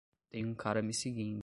Tem um cara me seguindo